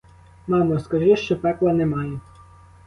Мамо, скажи, що пекла немає.